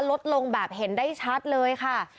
ลดลงแบบเห็นได้ชัดเลยค่ะ